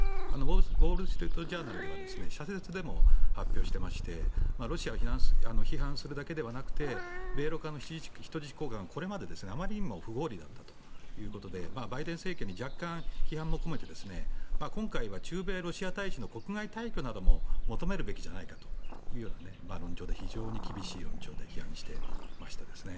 ウォール・ストリート・ジャーナルでは社説でも発表してましてロシアを批判するだけではなくて米ロ間の人質交換がこれまであまりにも不合理だったということでバイデン政権に若干批判も込めて今回は、駐米ロシア大使の国外退去なども求めるべきじゃないかという論調で非常に厳しい論調で批判してましたね。